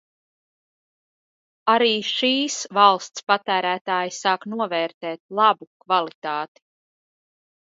Arī šīs valsts patērētāji sāk novērtēt labu kvalitāti.